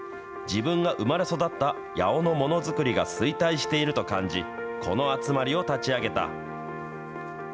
自分が生まれ育った八尾のものづくりが衰退していると感じ、この集まりを立ち上げた。